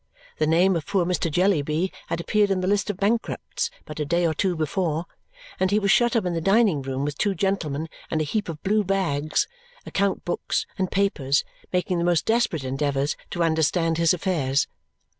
The name of poor Mr. Jellyby had appeared in the list of bankrupts but a day or two before, and he was shut up in the dining room with two gentlemen and a heap of blue bags, account books, and papers, making the most desperate endeavours to understand his affairs.